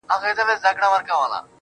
موږ دوه د آبديت په آشاره کي سره ناست وو_